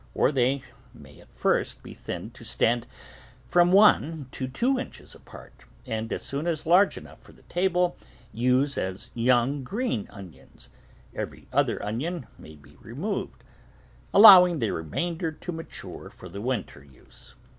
Or they may at first be thinned to stand from one to two inches apart, and as soon as large enough for the table, use as young, green onions ; every other onion may be re moved, allowing the remainder to mature for win ter use.